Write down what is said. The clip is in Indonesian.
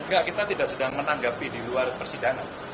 enggak kita tidak sedang menanggapi di luar persidangan